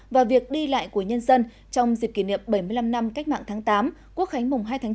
và việc đi lại của nhân dân trong dịp kỷ niệm bảy mươi năm năm cách mạng tháng tám quốc khánh mùng hai tháng chín